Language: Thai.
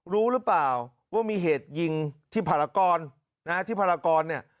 รู้หรือเปล่าว่ามีเหตุยิงที่ภารกรนะฮะที่ภารกรเนี่ย